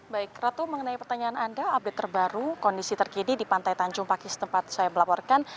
baik ratu mengenai pertanyaan anda update terbaru kondisi terkini di pantai tanjung pakis tempat saya melaporkan